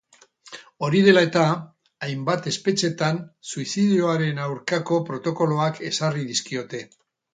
Hori dela eta, hainbat espetxetan suizidioaren aurkako protokoloak ezarri dizkiote.